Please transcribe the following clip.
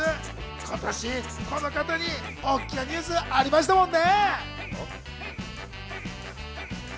今年、大きなニュースもありましたもんね。